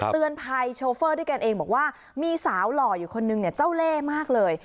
เตือนภัยโชเฟอร์ด้วยกันเองบอกว่ามีสาวหล่ออยู่คนนึงเนี่ยเจ้าเล่มากเลย